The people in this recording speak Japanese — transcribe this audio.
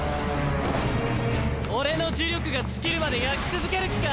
俺の呪力が尽きるまで焼き続ける気か？